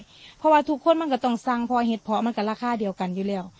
เพราะว่าทุกคนมันก็ต้องสั่งพอเห็ดเพาะมันก็ราคาเดียวกันอยู่แล้ว